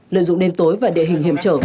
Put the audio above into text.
lợi dụng đêm tối và địa hình hiểm trở